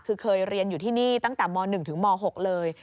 คือเคยเรียนอยู่ที่นี่ตั้งแต่ม๑ถึงม๖เลย